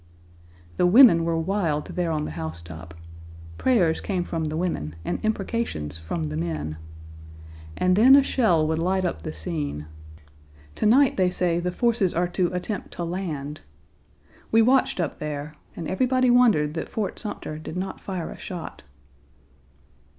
The women were wild there on the housetop. Prayers came from the women and imprecations from the men. And then a shell would light up the scene. To night they say the forces are to attempt to land. We watched up there, and everybody wondered that Fort Sumter did not fire a shot.